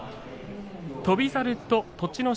翔猿と栃ノ